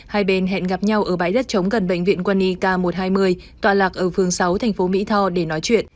hai bên hẹn gặp nhau ở bãi đất chống gần bệnh viện quân y k một trăm hai mươi tọa lạc ở phương sáu tp mỹ tho để nói chuyện